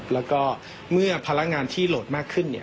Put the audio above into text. แล้วก็เมื่อพลังงานที่โหลดมากขึ้น